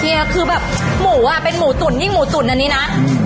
คือแบบหมูอ่ะเป็นหมูตุ๋นยิ่งหมูตุ๋นอันนี้นะ